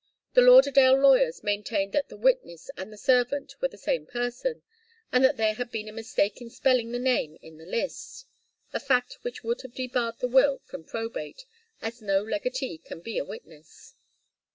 The Lauderdale lawyers maintained that the witness and the servant were the same person, and that there had been a mistake in spelling the name in the list; a fact which would have debarred the will from probate, as no legatee can be a witness.